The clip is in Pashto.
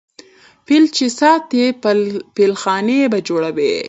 ـ فيل چې ساتې فيلخانې به جوړوې.